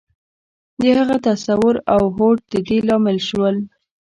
د هغه تصور او هوډ د دې لامل شول.